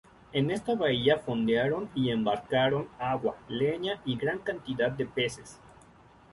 En esta bahía fondearon y embarcaron agua, leña y gran cantidad de peces.